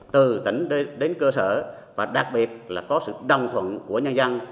từ tỉnh đến cơ sở và đặc biệt là có sự đồng thuận của nhân dân